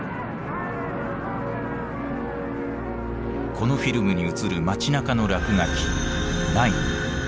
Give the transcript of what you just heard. このフィルムに映る街なかの落書き「ＮＥＩＮ」。